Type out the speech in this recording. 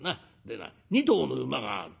でな２頭の馬がある。